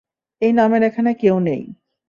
এই নামের এখানে কেউ নাই।